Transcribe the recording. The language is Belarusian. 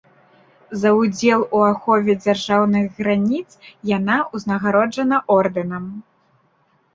За ўдзел у ахове дзяржаўных граніц яна ўзнагароджана ордэнам.